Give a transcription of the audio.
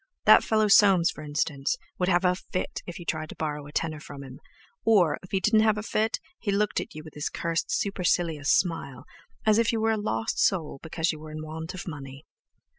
That fellow Soames, for instance, would have a fit if you tried to borrow a tenner from him, or, if he didn't have a fit, he looked at you with his cursed supercilious smile, as if you were a lost soul because you were in want of money.